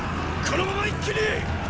このまま一気にっ！